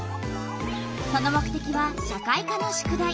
その目てきは社会科の宿題。